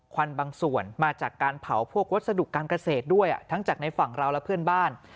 ควันบางส่วนมาจากการเผาพวกวัสดุการเกษตรด้วยทั้งจากในฝั่งเราและเพื่อนบ้าน